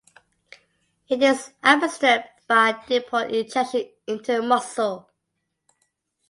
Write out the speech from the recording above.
It is administered by depot injection into muscle.